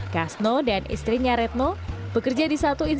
kasno dan istrinya retno bekerja di satu instansi